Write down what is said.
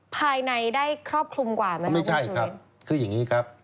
ภายในได้ครอบคลุมกว่าไหมไม่ใช่ครับคืออย่างนี้ครับ